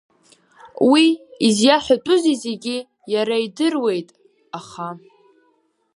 Уи изиаҳәатәузеи зегьы иара идыруеит, аха.